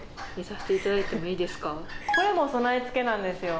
これも備え付けなんですよ。